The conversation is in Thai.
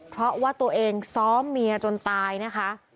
เพราะว่าตัวเองซ้อมเมียจนตายนะคะ